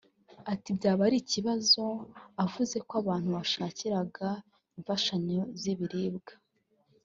ati “ byaba ari ikibazo uvuze ko abantu washakiraga imfashanyo z’ibiribwa